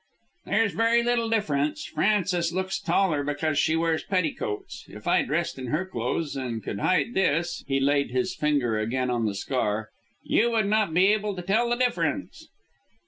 "There's very little difference. Frances looks taller because she wears petticoats. If I dressed in her clothes and could hide this," he laid his finger again on the scar, "you would not be able to tell the difference."